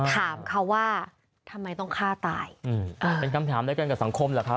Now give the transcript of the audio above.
ถามเขาว่าทำไมต้องฆ่าตายอืมอ่าเป็นคำถามด้วยกันกับสังคมแหละครับ